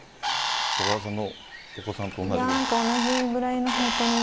小川さんのお子さんと同じくらい。